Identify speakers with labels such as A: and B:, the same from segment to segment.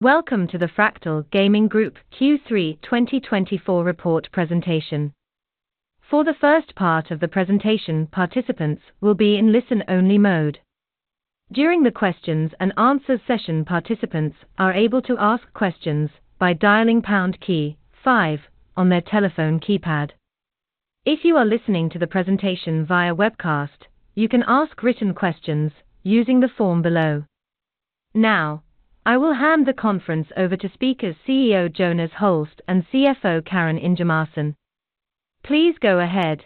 A: Welcome to the Fractal Gaming Group Q3 2024 report presentation. For the first part of the presentation, participants will be in listen-only mode. During the questions and answers session, participants are able to ask questions by dialing pound key five on their telephone keypad. If you are listening to the presentation via webcast, you can ask written questions using the form below. Now, I will hand the conference over to speakers CEO Jonas Holst and CFO Karin Ingemarsson. Please go ahead.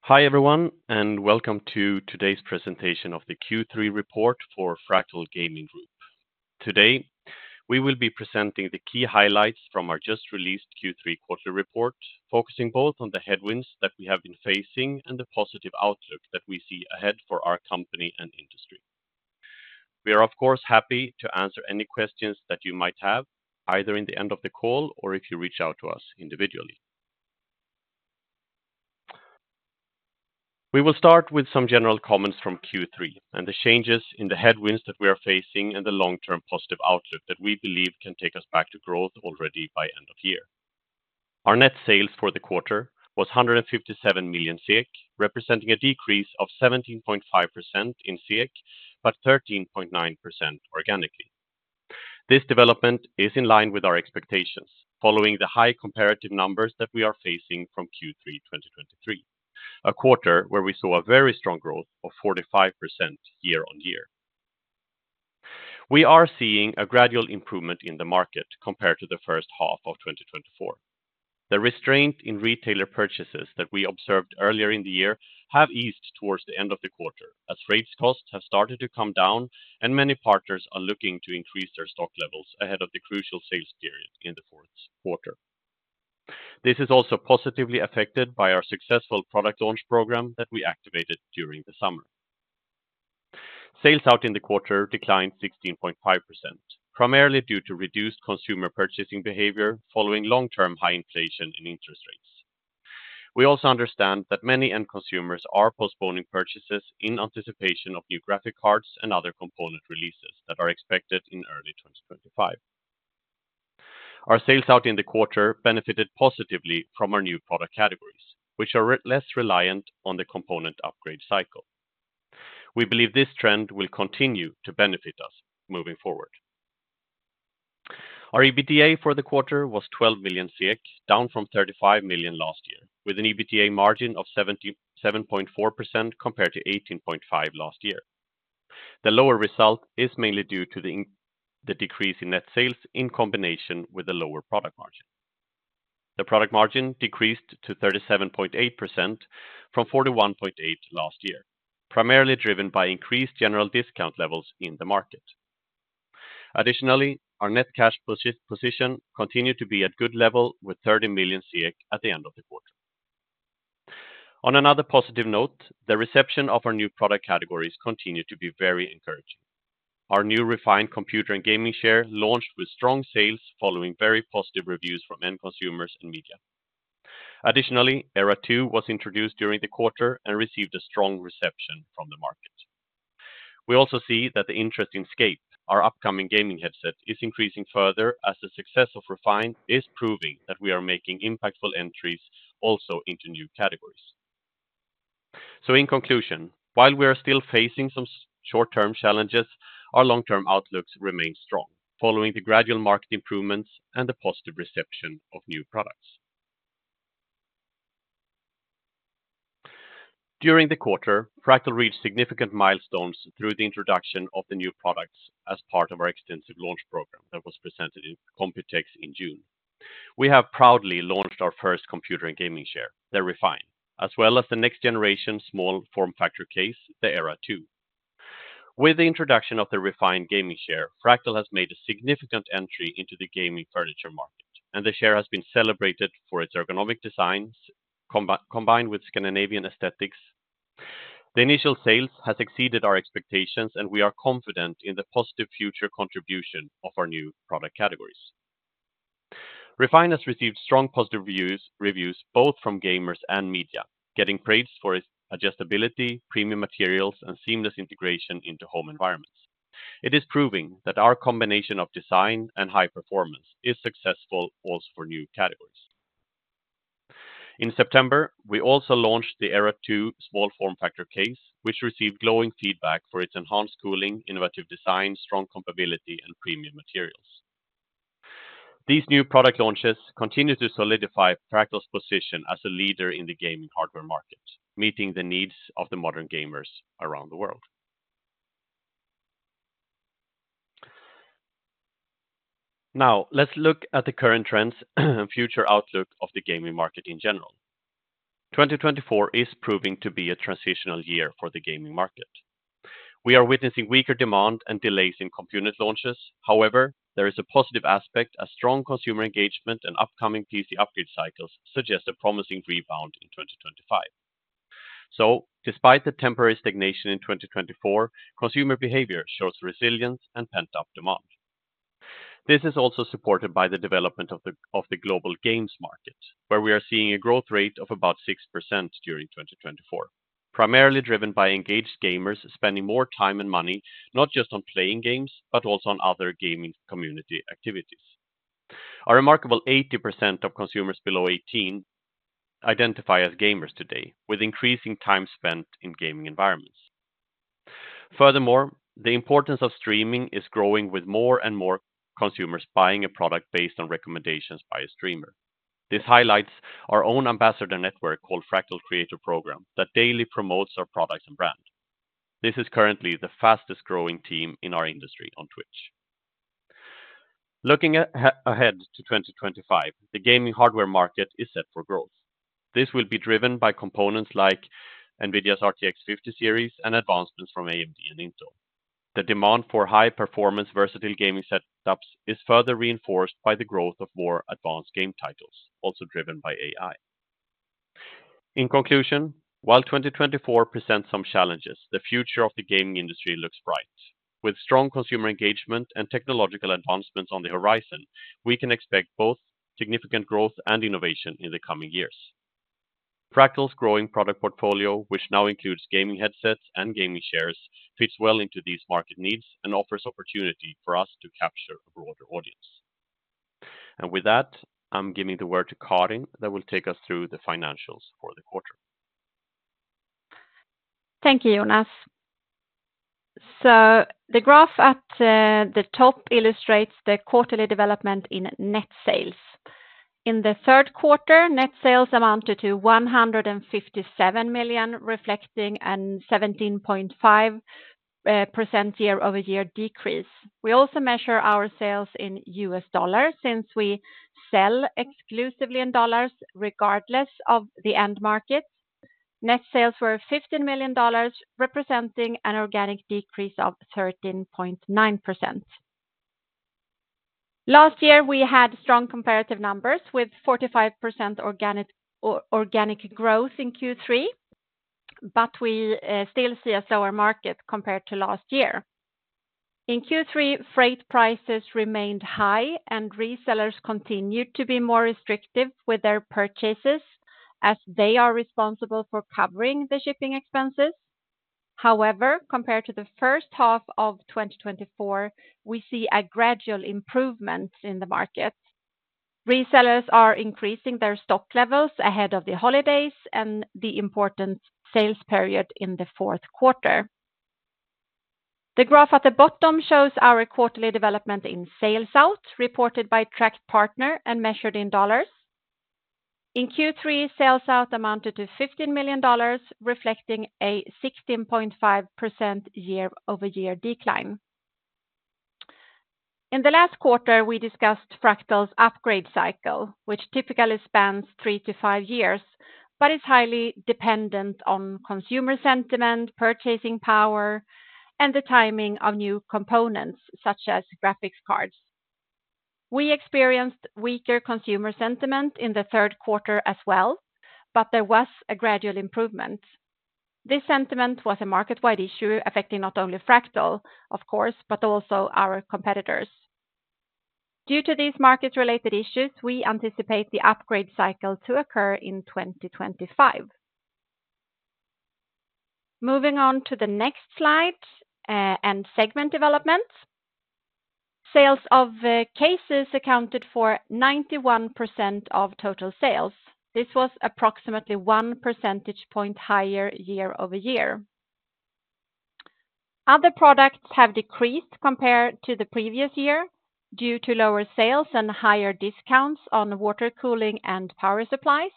B: Hi, everyone, and welcome to today's presentation of the Q3 report for Fractal Gaming Group. Today, we will be presenting the key highlights from our just-released Q3 quarterly report, focusing both on the headwinds that we have been facing and the positive outlook that we see ahead for our company and industry. We are, of course, happy to answer any questions that you might have, either in the end of the call or if you reach out to us individually. We will start with some general comments from Q3 and the changes in the headwinds that we are facing, and the long-term positive outlook that we believe can take us back to growth already by end of year. Our net sales for the quarter was 157 million, representing a decrease of 17.5% in SEK, but 13.9% organically. This development is in line with our expectations, following the high comparative numbers that we are facing from Q3 2023, a quarter where we saw a very strong growth of 45% year on year. We are seeing a gradual improvement in the market compared to the first half of 2024. The restraint in retailer purchases that we observed earlier in the year have eased towards the end of the quarter, as freight costs have started to come down, and many partners are looking to increase their stock levels ahead of the crucial sales period in the fourth quarter. This is also positively affected by our successful product launch program that we activated during the summer. Sales out in the quarter declined 16.5%, primarily due to reduced consumer purchasing behavior following long-term high inflation and interest rates. We also understand that many end consumers are postponing purchases in anticipation of new graphics cards and other component releases that are expected in early 2025. Our sales out in the quarter benefited positively from our new product categories, which are less reliant on the component upgrade cycle. We believe this trend will continue to benefit us moving forward. Our EBITDA for the quarter was 12 million, down from 35 million last year, with an EBITDA margin of 77.4% compared to 18.5% last year. The lower result is mainly due to the decrease in net sales in combination with the lower product margin. The product margin decreased to 37.8% from 41.8% last year, primarily driven by increased general discount levels in the market. Additionally, our net cash position continued to be at good level, with 30 million at the end of the quarter. On another positive note, the reception of our new product categories continued to be very encouraging. Our new Refine gaming chair launched with strong sales, following very positive reviews from end consumers and media. Additionally, Era 2 was introduced during the quarter and received a strong reception from the market. We also see that the interest in Scape, our upcoming gaming headset, is increasing further as the success of Refine is proving that we are making impactful entries also into new categories. In conclusion, while we are still facing some short-term challenges, our long-term outlooks remain strong, following the gradual market improvements and the positive reception of new products. During the quarter, Fractal reached significant milestones through the introduction of the new products as part of our extensive launch program that was presented in Computex in June. We have proudly launched our first computer and gaming chair, the Refine, as well as the next generation small form factor case, the Era 2. With the introduction of the Refine gaming chair, Fractal has made a significant entry into the gaming furniture market, and the chair has been celebrated for its ergonomic designs combined with Scandinavian aesthetics. The initial sales has exceeded our expectations, and we are confident in the positive future contribution of our new product categories. Refine has received strong positive reviews both from gamers and media, getting praised for its adjustability, premium materials, and seamless integration into home environments. It is proving that our combination of design and high performance is successful also for new categories. In September, we also launched the Era 2 small form factor case, which received glowing feedback for its enhanced cooling, innovative design, strong compatibility, and premium materials. These new product launches continue to solidify Fractal's position as a leader in the gaming hardware market, meeting the needs of the modern gamers around the world. Now, let's look at the current trends and future outlook of the gaming market in general. 2024 is proving to be a transitional year for the gaming market. We are witnessing weaker demand and delays in component launches. However, there is a positive aspect as strong consumer engagement and upcoming PC upgrade cycles suggest a promising rebound in 2025. So despite the temporary stagnation in 2024, consumer behavior shows resilience and pent-up demand... This is also supported by the development of the global games market, where we are seeing a growth rate of about 6% during 2024. Primarily driven by engaged gamers spending more time and money, not just on playing games, but also on other gaming community activities. A remarkable 80% of consumers below 18 identify as gamers today, with increasing time spent in gaming environments. Furthermore, the importance of streaming is growing, with more and more consumers buying a product based on recommendations by a streamer. This highlights our own ambassador network, called Fractal Creator Program, that daily promotes our products and brand. This is currently the fastest growing team in our industry on Twitch. Looking ahead to 2025, the gaming hardware market is set for growth. This will be driven by components like NVIDIA's RTX 50 series and advancements from AMD and Intel. The demand for high performance, versatile gaming setups is further reinforced by the growth of more advanced game titles, also driven by AI. In conclusion, while 2024 presents some challenges, the future of the gaming industry looks bright. With strong consumer engagement and technological advancements on the horizon, we can expect both significant growth and innovation in the coming years. Fractal's growing product portfolio, which now includes gaming headsets and gaming chairs, fits well into these market needs and offers opportunity for us to capture a broader audience. And with that, I'm giving the word to Karin, that will take us through the financials for the quarter.
C: Thank you, Jonas. The graph at the top illustrates the quarterly development in net sales. In the third quarter, net sales amounted to 157 million, reflecting a 17.5% year-over-year decrease. We also measure our sales in US dollars, since we sell exclusively in dollars, regardless of the end market. Net sales were $15 million, representing an organic decrease of 13.9%. Last year, we had strong comparative numbers, with 45% organic growth in Q3, but we still see a slower market compared to last year. In Q3, freight prices remained high, and resellers continued to be more restrictive with their purchases, as they are responsible for covering the shipping expenses. However, compared to the first half of 2024, we see a gradual improvement in the market. Resellers are increasing their stock levels ahead of the holidays and the important sales period in the fourth quarter. The graph at the bottom shows our quarterly development in sales out, reported by tracked partner and measured in $. In Q3, sales out amounted to $15 million, reflecting a 16.5% year-over-year decline. In the last quarter, we discussed Fractal's upgrade cycle, which typically spans three to five years, but is highly dependent on consumer sentiment, purchasing power, and the timing of new components, such as graphics cards. We experienced weaker consumer sentiment in the third quarter as well, but there was a gradual improvement. This sentiment was a market-wide issue, affecting not only Fractal, of course, but also our competitors. Due to these market-related issues, we anticipate the upgrade cycle to occur in 2025. Moving on to the next slide, and segment development. Sales of cases accounted for 91% of total sales. This was approximately one percentage point higher year-over-year. Other products have decreased compared to the previous year due to lower sales and higher discounts on water cooling and power supplies.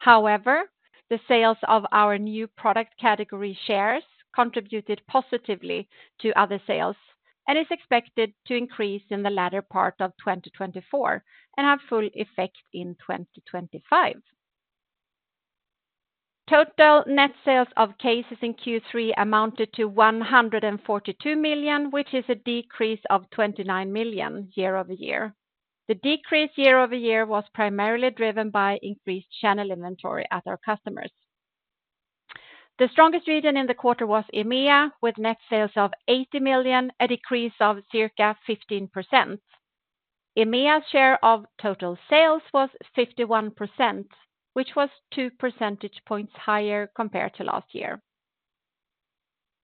C: However, the sales of our new product category chairs contributed positively to other sales, and is expected to increase in the latter part of 2024, and have full effect in 2025. Total net sales of cases in Q3 amounted to 142 million, which is a decrease of 29 million year-over-year. The decrease year-over-year was primarily driven by increased channel inventory at our customers. The strongest region in the quarter was EMEA, with net sales of 80 million, a decrease of circa 15%. EMEA's share of total sales was 51%, which was two percentage points higher compared to last year.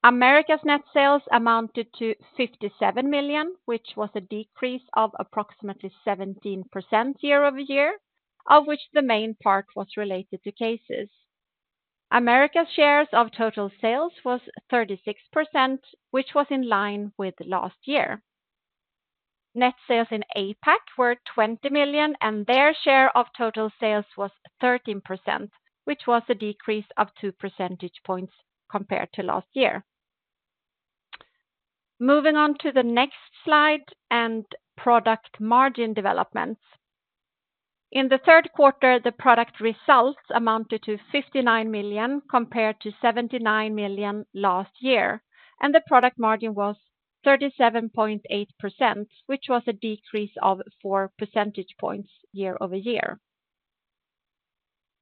C: Americas' net sales amounted to 57 million, which was a decrease of approximately 17% year-over-year, of which the main part was related to cases. Americas' share of total sales was 36%, which was in line with last year. Net sales in APAC were 20 million, and their share of total sales was 13%, which was a decrease of two percentage points compared to last year. Moving on to the next slide, and product margin development. In the third quarter, the product results amounted to 59 million, compared to last year, and the product margin was 37.8%, which was a decrease of four percentage points year-over-year.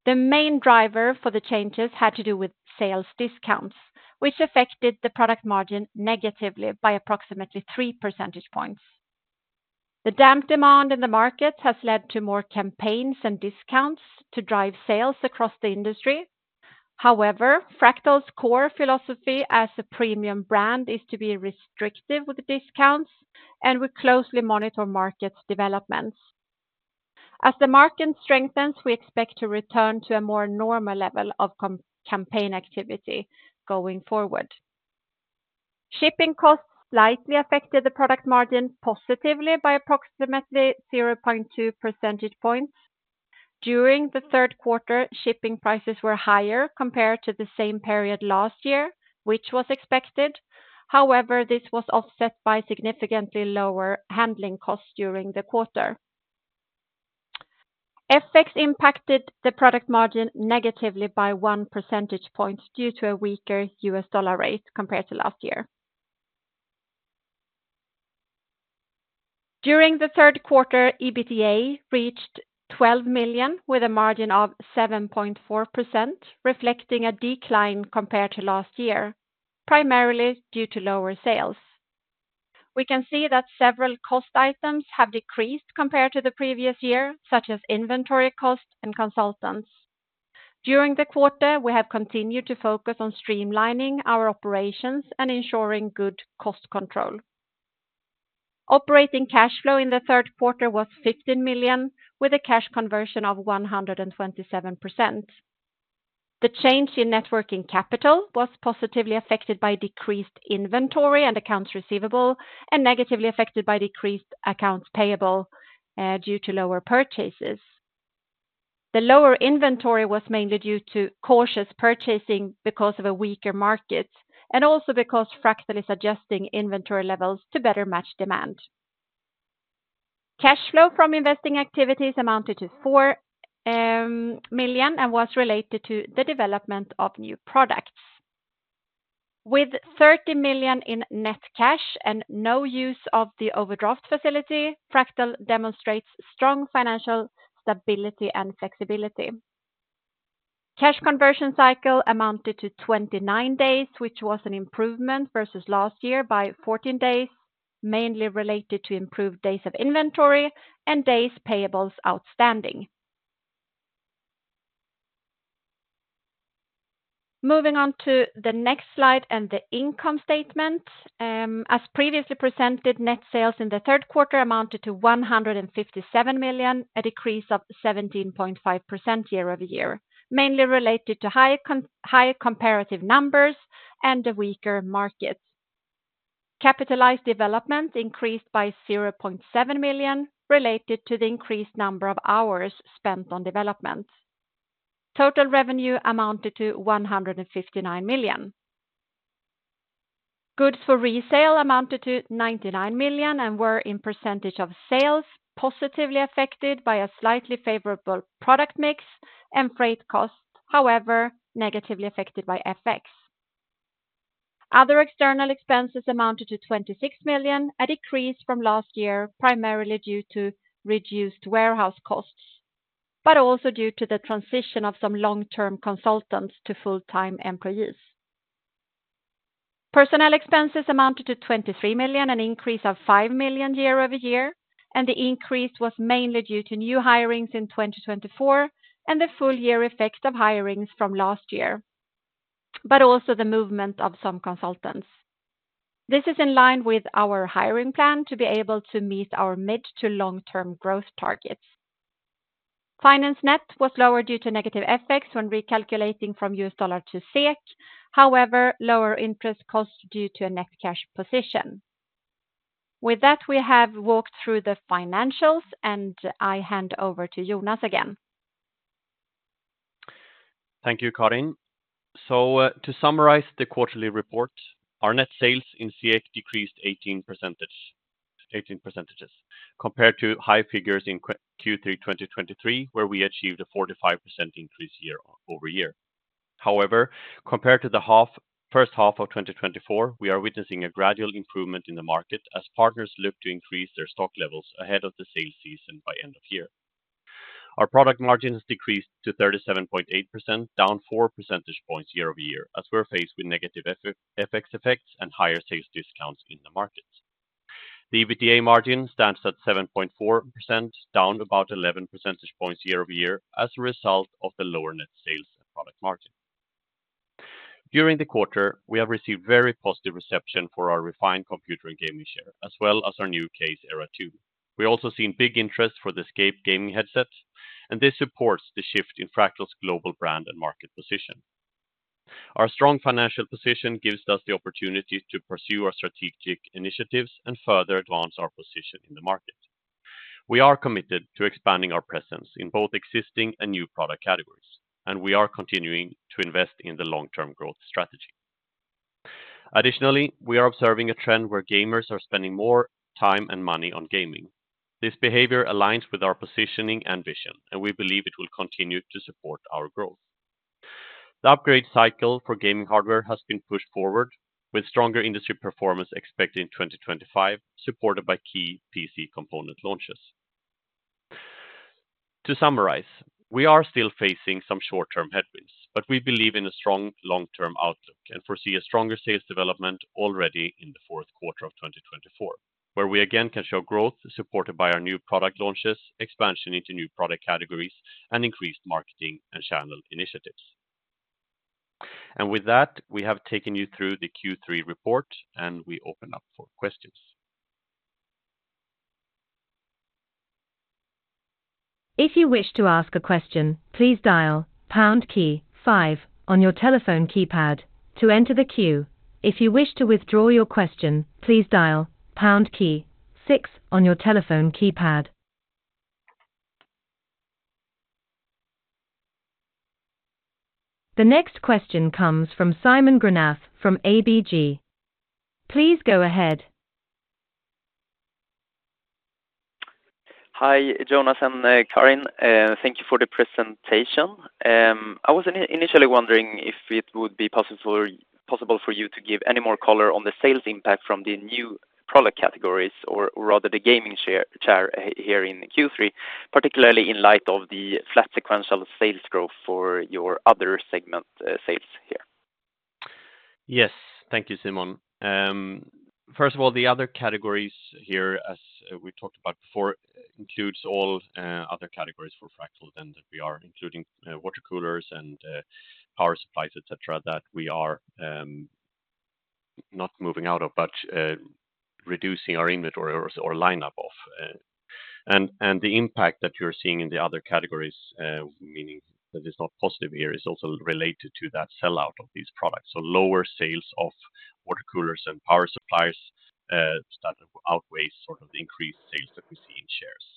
C: The main driver for the changes had to do with sales discounts, which affected the product margin negatively by approximately three percentage points. The dampened demand in the market has led to more campaigns and discounts to drive sales across the industry. However, Fractal's core philosophy as a premium brand is to be restrictive with the discounts, and we closely monitor market developments. As the market strengthens, we expect to return to a more normal level of campaign activity going forward. Shipping costs slightly affected the product margin positively by approximately 0.2 percentage points. During the third quarter, shipping prices were higher compared to the same period last year, which was expected. However, this was offset by significantly lower handling costs during the quarter. FX impacted the product margin negatively by one percentage point due to a weaker U.S. dollar rate compared to last year. During the third quarter, EBITDA reached 12 million SEK, with a margin of 7.4%, reflecting a decline compared to last year, primarily due to lower sales. We can see that several cost items have decreased compared to the previous year, such as inventory cost and consultants. During the quarter, we have continued to focus on streamlining our operations and ensuring good cost control. Operating cash flow in the third quarter was 15 million SEK, with a cash conversion of 127%. The change in net working capital was positively affected by decreased inventory and accounts receivable, and negatively affected by decreased accounts payable, due to lower purchases. The lower inventory was mainly due to cautious purchasing because of a weaker market, and also because Fractal is adjusting inventory levels to better match demand. Cash flow from investing activities amounted to 4 million and was related to the development of new products. With 30 million in net cash and no use of the overdraft facility, Fractal demonstrates strong financial stability and flexibility. Cash conversion cycle amounted to 29 days, which was an improvement versus last year by 14 days, mainly related to improved days of inventory and days payables outstanding. Moving on to the next slide and the income statement. As previously presented, net sales in the third quarter amounted to 157 million, a decrease of 17.5% year-over-year, mainly related to higher comparative numbers and a weaker market. Capitalized development increased by 0.7 million, related to the increased number of hours spent on development. Total revenue amounted to 159 million. Goods for resale amounted to 99 million and were, as a percentage of sales, positively affected by a slightly favorable product mix and freight costs, however, negatively affected by FX. Other external expenses amounted to 26 million, a decrease from last year, primarily due to reduced warehouse costs, but also due to the transition of some long-term consultants to full-time employees. Personnel expenses amounted to 23 million, an increase of 5 million year-over-year, and the increase was mainly due to new hirings in 2024, and the full year effect of hirings from last year, but also the movement of some consultants. This is in line with our hiring plan to be able to meet our mid- to long-term growth targets. Finance net was lower due to negative effects when recalculating from US dollar to SEK, however, lower interest costs due to a net cash position. With that, we have walked through the financials, and I hand-over-to Jonas again.
B: Thank you, Karin. To summarize the quarterly report, our net sales in SEK decreased 18%, compared to high figures in Q3 2023, where we achieved a 45% increase year-over-year. However, compared to the first half of 2024, we are witnessing a gradual improvement in the market as partners look to increase their stock levels ahead of the sales season by end of year. Our product margin has decreased to 37.8%, down four percentage points year-over-year, as we're faced with negative FX effects and higher sales discounts in the market. The EBITDA margin stands at 7.4%, down about 11 percentage points year-over-year, as a result of the lower net sales and product margin. During the quarter, we have received very positive reception for our Refine gaming chair, as well as our new Era 2 case. We're also seeing big interest for the Scape gaming headsets, and this supports the shift in Fractal's global brand and market position. Our strong financial position gives us the opportunity to pursue our strategic initiatives and further advance our position in the market. We are committed to expanding our presence in both existing and new product categories, and we are continuing to invest in the long-term growth strategy. Additionally, we are observing a trend where gamers are spending more time and money on gaming. This behavior aligns with our positioning and vision, and we believe it will continue to support our growth. The upgrade cycle for gaming hardware has been pushed forward, with stronger industry performance expected in 2025, supported by key PC component launches. To summarize, we are still facing some short-term headwinds, but we believe in a strong long-term outlook and foresee a stronger sales development already in the fourth quarter of 2024, where we again can show growth supported by our new product launches, expansion into new product categories, and increased marketing and channel initiatives. And with that, we have taken you through the Q3 report, and we open up for questions.
A: If you wish to ask a question, please dial pound key five on your telephone keypad to enter the queue. If you wish to withdraw your question, please dial pound key six on your telephone keypad. The next question comes from Simon Granath from ABG. Please go ahead.
D: Hi, Jonas and Karin. Thank you for the presentation. I was initially wondering if it would be possible for you to give any more color on the sales impact from the new product categories, or rather the gaming chair here in Q3, particularly in light of the flat sequential sales growth for your other segment, sales here.
B: Yes. Thank you, Simon. First of all, the other categories here, as we talked about before, includes all, other categories for Fractal and that we are including, water coolers and, power supplies, et cetera, that we are, not moving out of, but, reducing our inventory or, or lineup of. The impact that you're seeing in the other categories, meaning that is not positive here, is also related to that sell-out of these products. So lower sales of water coolers and power supplies, start to outweighs sort of the increased sales that we see in Refine.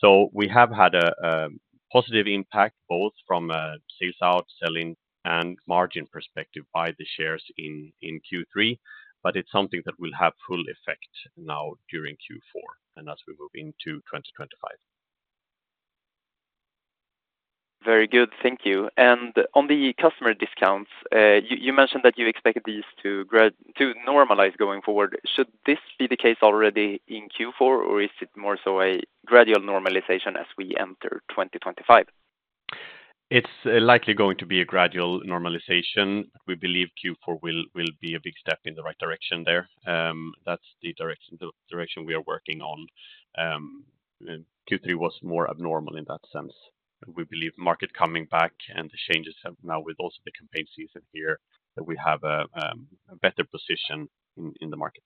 B: So we have had a positive impact, both from a sales out, selling, and margin perspective by the Refine in Q3, but it's something that will have full effect now during Q4 and as we move into 2025.
D: Very good, thank you. And on the customer discounts, you mentioned that you expected these to normalize going forward. Should this be the case already in Q4, or is it more so a gradual normalization as we enter 2025?
B: It's likely going to be a gradual normalization. We believe Q4 will be a big step in the right direction there. That's the direction we are working on. Q3 was more abnormal in that sense. We believe market coming back and the changes have now, with also the campaign season here, that we have a better position in the market.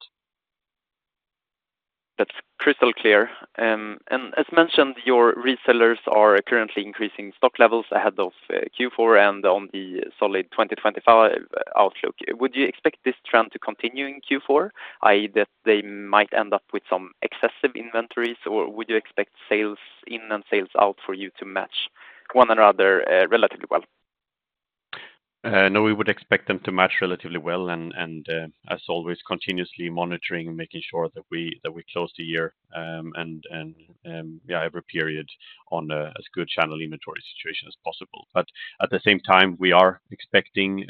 D: That's crystal clear. And as mentioned, your resellers are currently increasing stock levels ahead of Q4 and on the solid 2025 outlook. Would you expect this trend to continue in Q4, i.e., that they might end up with some excessive inventories, or would you expect sales in and sales out for you to match one another, relatively well?
B: No, we would expect them to match relatively well, and as always, continuously monitoring and making sure that we close the year, and every period on as good a channel inventory situation as possible. But at the same time, we are expecting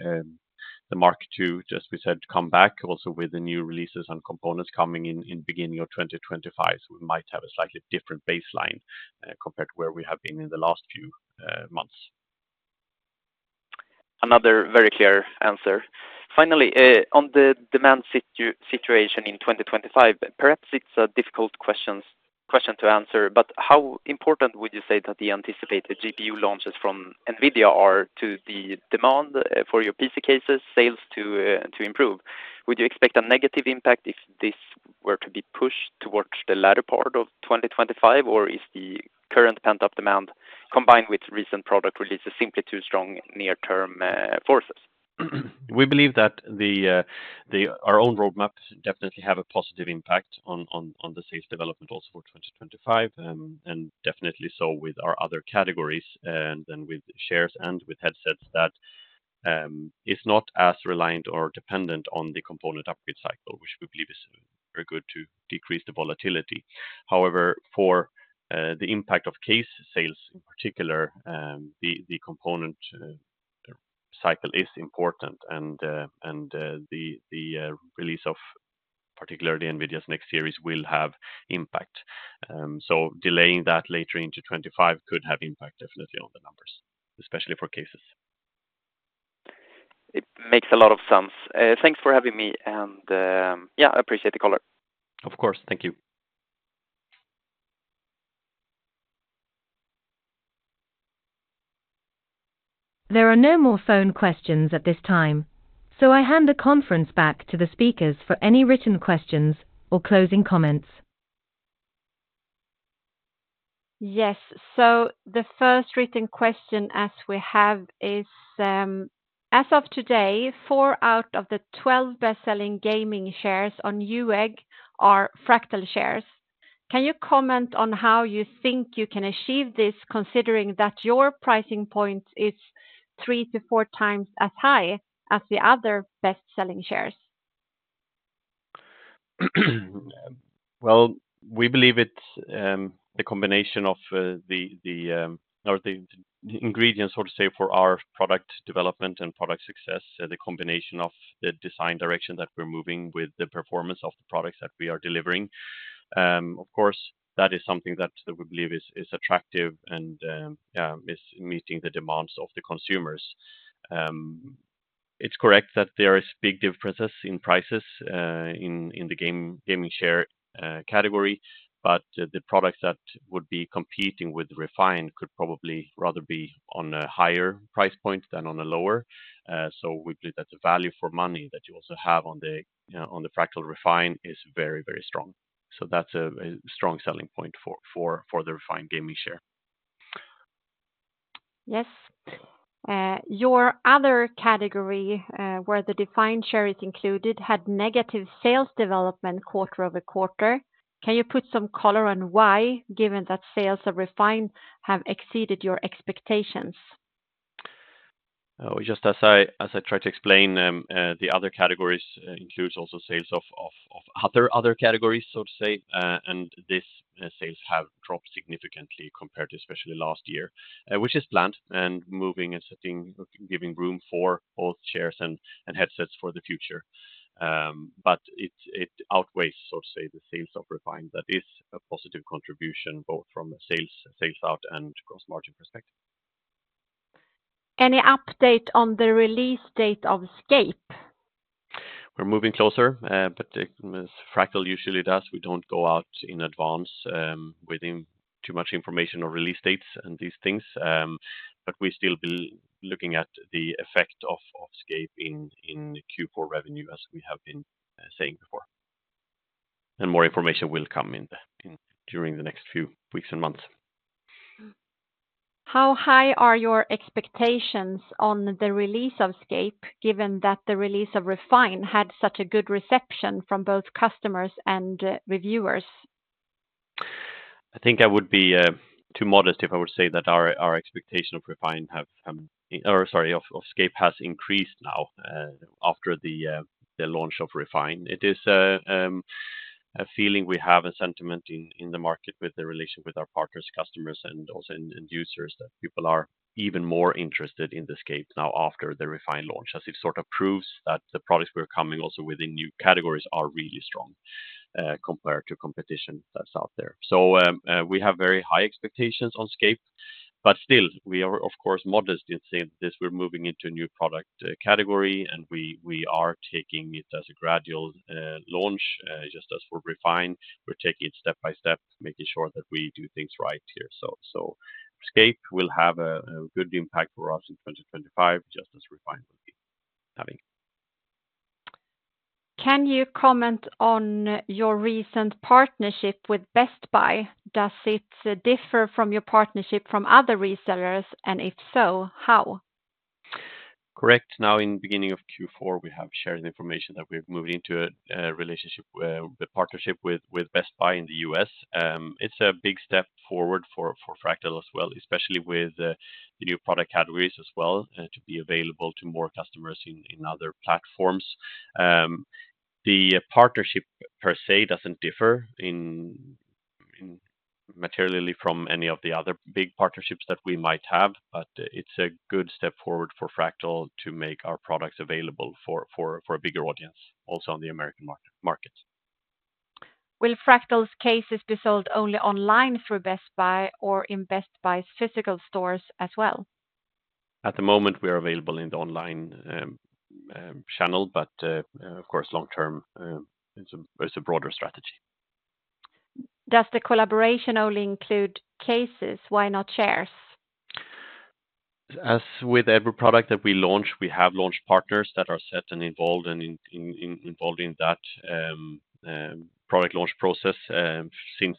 B: the market to, just as we said, come back also with the new releases and components coming in in the beginning of 2025. So we might have a slightly different baseline compared to where we have been in the last few months.
D: Another very clear answer. Finally, on the demand situation in 2025 perhaps it's a difficult question to answer, but how important would you say that the anticipated GPU launches from NVIDIA are to the demand for your PC cases sales to improve? Would you expect a negative impact if this were to be pushed towards the latter part of 2025, or is the current pent-up demand, combined with recent product releases, simply too strong near-term forces?
B: We believe that the our own roadmaps definitely have a positive impact on the sales development, also for 2025, and definitely so with our other categories, and then with chairs and with headsets, that is not as reliant or dependent on the component upgrade cycle, which we believe is very good to decrease the volatility. However, for the impact of case sales, in particular, the component cycle is important, and the release of particularly NVIDIA's next series will have impact. So delaying that later into 2025 could have impact, definitely on the numbers, especially for cases.
D: It makes a lot of sense. Thanks for having me, and, yeah, I appreciate the color.
B: Of course. Thank you.
A: There are no more phone questions at this time, so I hand the conference back to the speakers for any written questions or closing comments.
C: Yes, so the first written question as we have is, "As of today, four out of the twelve best-selling gaming chairs on Newegg are Fractal chairs. Can you comment on how you think you can achieve this, considering that your pricing point is three to four times as high as the other best-selling chairs?"...
B: We believe it's the combination of the ingredients, so to say, for our product development and product success, the combination of the design direction that we're moving with the performance of the products that we are delivering. Of course, that is something that we believe is attractive and, yeah, is meeting the demands of the consumers. It's correct that there is big differences in prices in the gaming chair category, but the products that would be competing with Refine could probably rather be on a higher price point than on a lower. So we believe that the value for money that you also have on the Fractal Refine is very, very strong. So that's a strong selling point for the Refine gaming chair.
C: Yes. Your other category, where the Refine chair is included, had negative sales development quarter-over-quarter. Can you put some color on why, given that sales of Refine have exceeded your expectations?
B: Just as I tried to explain, the other categories include also sales of other categories, so to say, and this sales have dropped significantly compared to especially last year, which is planned and moving and setting, giving room for both chairs and headsets for the future. But it outweighs, so to say, the sales of Refine. That is a positive contribution, both from a sales sales out and gross margin perspective.
C: Any update on the release date of Scape?
B: We're moving closer, but as Fractal usually does, we don't go out in advance with too much information or release dates and these things. But we still be looking at the effect of Scape in Q4 revenue, as we have been saying before. And more information will come in during the next few weeks and months.
C: How high are your expectations on the release of Scape, given that the release of Refine had such a good reception from both customers and reviewers?
B: I think I would be too modest if I were to say that our expectation of Scape has increased now, after the launch of Refine. It is a feeling we have, a sentiment in the market with the relation with our partners, customers, and also end users, that people are even more interested in the Scape now after the Refine launch, as it sort of proves that the products we're coming also within new categories are really strong, compared to competition that's out there. So, we have very high expectations on Scape, but still, we are of course modest in saying this. We're moving into a new product category, and we are taking it as a gradual launch, just as for Refine. We're taking it step by step, making sure that we do things right here. So Scape will have a good impact for us in 2025, just as Refine will be having.
C: Can you comment on your recent partnership with Best Buy? Does it differ from your partnership from other resellers, and if so, how?
B: Correct. Now, in the beginning of Q4, we have shared the information that we've moved into a relationship, a partnership with Best Buy in the US. It's a big step forward for Fractal as well, especially with the new product categories as well, to be available to more customers in other platforms. The partnership per se doesn't differ materially from any of the other big partnerships that we might have, but it's a good step forward for Fractal to make our products available for a bigger audience, also on the American market.
C: Will Fractal's cases be sold only online through Best Buy or in Best Buy's physical stores as well?
B: At the moment, we are available in the online channel, but of course, long term, it's a broader strategy.
C: Does the collaboration only include cases? Why not chairs?
B: As with every product that we launch, we have launch partners that are set and involved in that product launch process since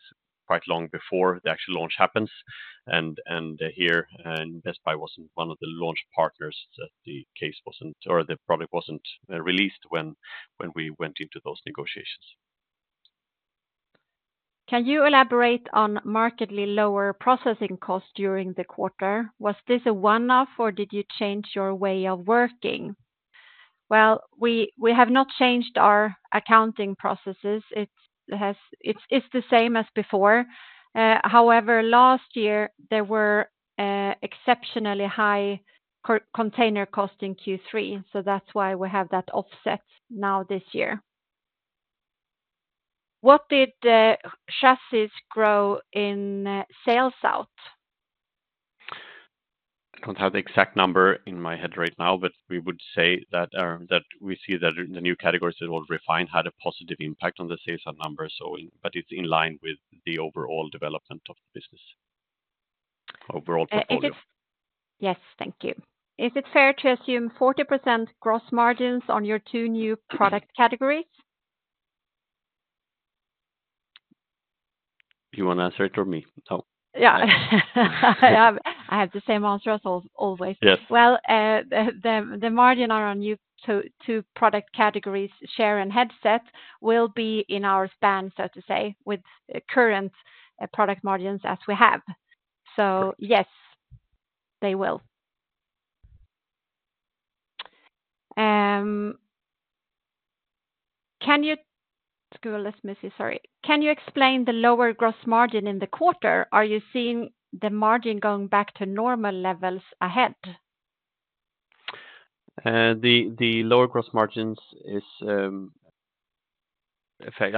B: quite long before the actual launch happens, and here Best Buy wasn't one of the launch partners, that the case wasn't or the product wasn't released when we went into those negotiations.
C: Can you elaborate on markedly lower processing costs during the quarter? Was this a one-off, or did you change your way of working? Well, we have not changed our accounting processes. It has, it's the same as before. However, last year, there were exceptionally high container cost in Q3, so that's why we have that offset now, this year. What did Chassis grow in sales out?
B: I don't have the exact number in my head right now, but we would say that we see that the new categories that were Refine had a positive impact on the sales out numbers, so but it's in line with the overall development of the business, overall portfolio.
C: Yes, thank you. Is it fair to assume 40% gross margins on your two new product categories?
B: You want to answer it or me? It's okay.
C: Yeah. I have the same answer as always.
B: Yes.
C: The margins on new to two product categories, chair and headset, will be in our span, so to say, with current product margins as we have. So yes, they will. Can you explain the lower gross margin in the quarter? Are you seeing the margin going back to normal levels ahead?
B: The lower gross margins is, I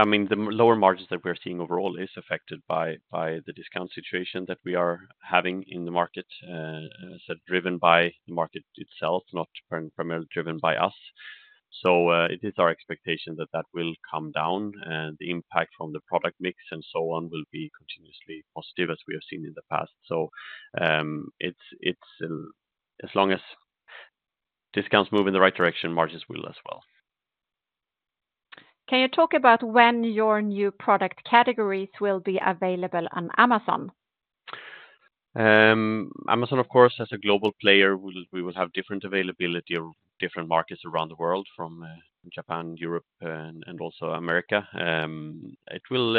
B: mean, the lower margins that we're seeing overall is affected by the discount situation that we are having in the market, so driven by the market itself, not primarily driven by us. So, it is our expectation that that will come down, and the impact from the product mix and so on will be continuously positive, as we have seen in the past. So, it's as long as discounts move in the right direction, margins will as well.
C: Can you talk about when your new product categories will be available on Amazon?
B: Amazon, of course, as a global player, we will have different availability of different markets around the world, from Japan, Europe, and also America. It will.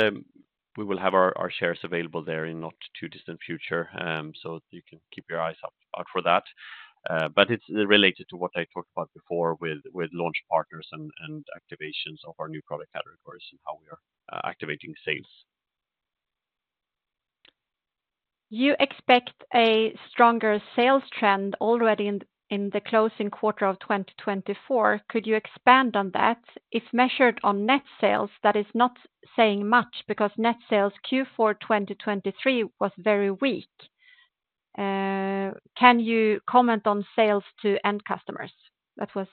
B: We will have our Refine available there in not too distant future, so you can keep your eyes out for that. But it's related to what I talked about before with launch partners and activations of our new product categories and how we are activating sales.
C: You expect a stronger sales trend already in the closing quarter of 2024. Could you expand on that? If measured on net sales, that is not saying much, because net sales Q4 2023 was very weak. Can you comment on sales to end customers? That was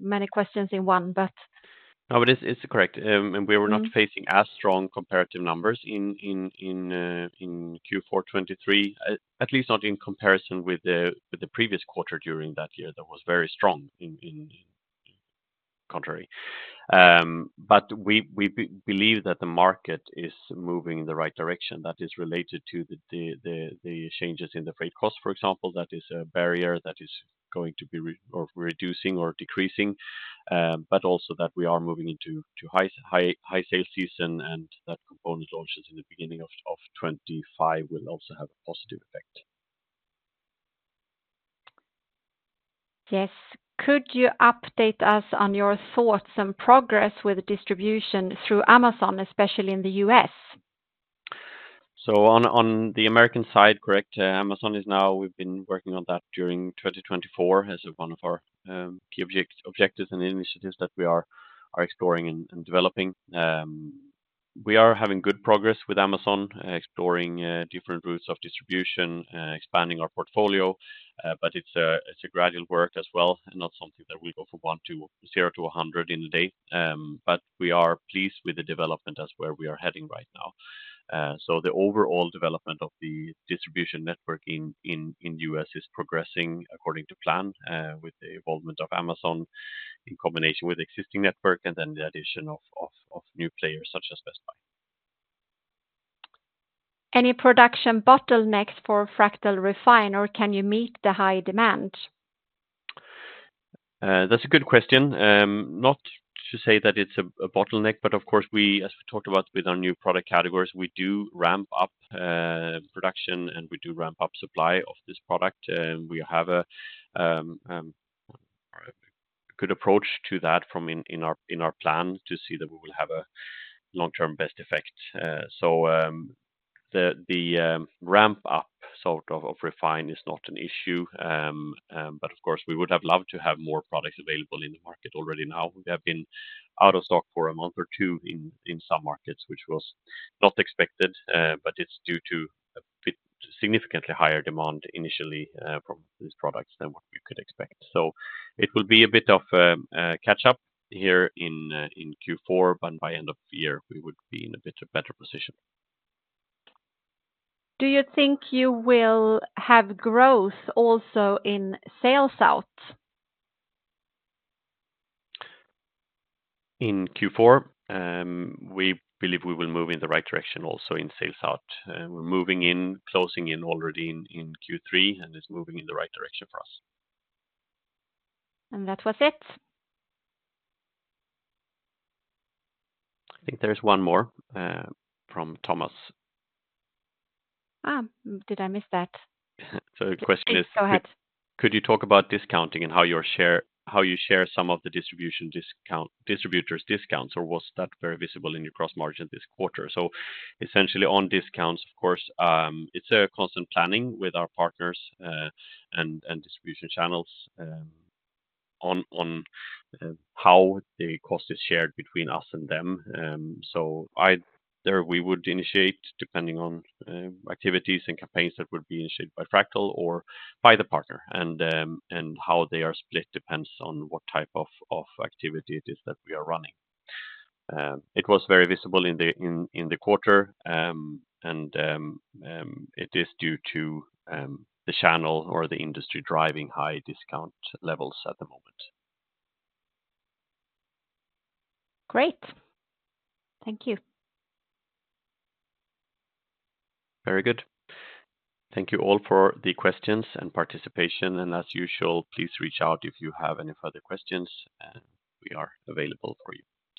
C: many questions in one, but-
B: No, but it's correct. And we were not facing as strong comparative numbers in Q4 2023, at least not in comparison with the previous quarter during that year. That was very strong in contrary. But we believe that the market is moving in the right direction. That is related to the changes in the freight cost, for example, that is a barrier that is going to be reducing or decreasing, but also that we are moving into high sales season, and that component also in the beginning of 2025, will also have a positive effect.
C: Yes. Could you update us on your thoughts and progress with distribution through Amazon, especially in the US?
B: On the American side, correct, Amazon is now... We've been working on that during 2024 as one of our key objectives and initiatives that we are exploring and developing. We are having good progress with Amazon, exploring different routes of distribution, expanding our portfolio, but it's a gradual work as well, and not something that will go from zero to a hundred in a day. But we are pleased with the development, that's where we are heading right now. The overall development of the distribution network in U.S. is progressing according to plan, with the involvement of Amazon in combination with existing network and then the addition of new players such as Best Buy.
C: Any production bottlenecks for Fractal Refine, or can you meet the high demand?
B: That's a good question. Not to say that it's a bottleneck, but of course, we, as we talked about with our new product categories, we do ramp up production, and we do ramp up supply of this product. We have a good approach to that in our plan to see that we will have a long-term best effect. So, the ramp up, sort of, of Refine is not an issue, but of course, we would have loved to have more products available in the market already now. We have been out of stock for a month or two in some markets, which was not expected, but it's due to a bit significantly higher demand initially from these products than what we could expect. So it will be a bit of catch up here in Q4, but by end of the year, we would be in a bit of better position.
C: Do you think you will have growth also in sales out?
B: In Q4, we believe we will move in the right direction, also in sales out. We're closing in already in Q3, and it's moving in the right direction for us.
C: That was it.
B: I think there's one more from Thomas.
C: Did I miss that?
B: The question is-
C: Go ahead.
B: Could you talk about discounting and how you share some of the distribution discount, distributors discounts, or was that very visible in your gross margin this quarter? So essentially on discounts, of course, it's a constant planning with our partners and distribution channels on how the cost is shared between us and them. So either we would initiate, depending on activities and campaigns that would be initiated by Fractal or by the partner, and how they are split depends on what type of activity it is that we are running. It was very visible in the quarter, and it is due to the channel or the industry driving high discount levels at the moment.
C: Great. Thank you.
B: Very good. Thank you all for the questions and participation, and as usual, please reach out if you have any further questions, and we are available for you.